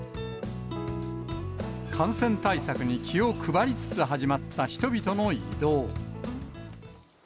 感染対策に気を配りつつ始まった人々の移動。